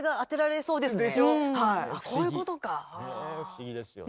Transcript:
ねえ不思議ですよね。